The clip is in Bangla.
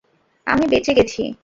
আমি বেচে গেছি।